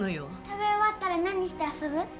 食べ終わったら何して遊ぶ？